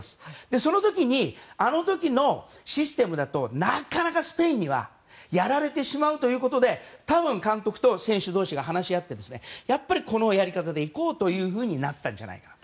その時に、あの時のシステムだとなかなかスペインにはなかなかやられてしまうことで多分、監督と選手同士が話し合ってやっぱりこのやり方でいこうとなったんじゃないかと。